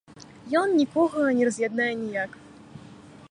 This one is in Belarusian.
Ён нікога не раз'яднае ніяк.